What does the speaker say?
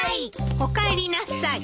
おかえりなさい。